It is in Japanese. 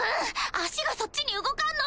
足がそっちに動かんの。